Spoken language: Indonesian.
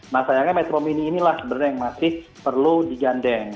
nah sayangnya metro mini inilah sebenarnya yang masih perlu digandeng